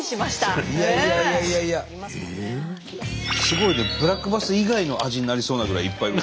すごいねブラックバス以外の味になりそうなぐらいいっぱい。